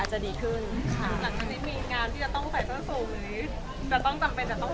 หลังจากนี้มีงานที่จะต้องใส่ส้นสูงหรือ